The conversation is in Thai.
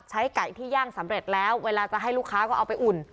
ไก่ที่ย่างสำเร็จแล้วเวลาจะให้ลูกค้าก็เอาไปอุ่น